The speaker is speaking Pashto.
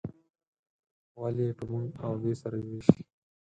ولې یې په موږ او دوی سره ویشي.